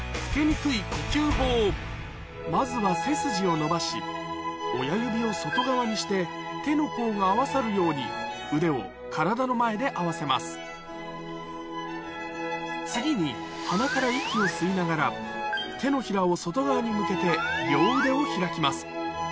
まずは背筋を伸ばし親指を外側にして手の甲が合わさるように腕を体の前で合わせます次に鼻から息を吸いながら手のひらを外側に向けて両腕を開きます